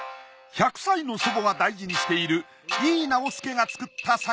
１００歳の祖母が大事にしている井伊直弼が作った盃。